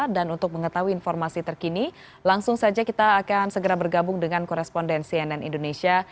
dan untuk mengetahui informasi terkini langsung saja kita akan segera bergabung dengan korespondensi cnn indonesia